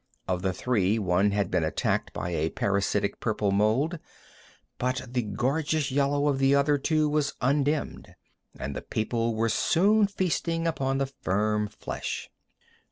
Of the three, one had been attacked by a parasitic purple mould, but the gorgeous yellow of the other two was undimmed, and the people were soon feasting upon the firm flesh.